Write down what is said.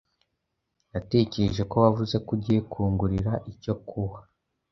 Natekereje ko wavuze ko ugiye kungurira icyo kuwa.